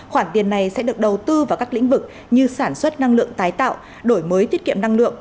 khoản tiền này sẽ được đầu tư vào các lĩnh vực như sản xuất năng lượng tái tạo đổi mới tiết kiệm năng lượng